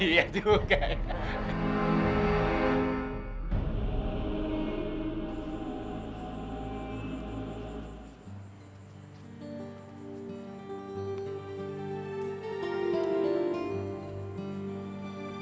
iya tuh kan